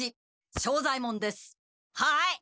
はい。